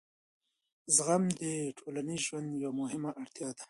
زغم د ټولنیز ژوند یوه مهمه اړتیا ده.